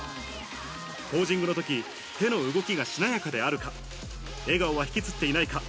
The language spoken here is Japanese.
ポージングの時、手の動きがしなやかであるか、笑顔は引きつっていないか。